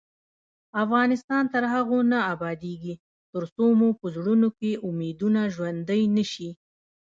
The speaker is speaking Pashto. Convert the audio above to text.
افغانستان تر هغو نه ابادیږي، ترڅو مو په زړونو کې امیدونه ژوندۍ نشي.